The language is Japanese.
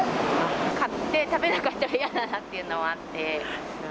買って食べなかったら、嫌だなっていうのはあって。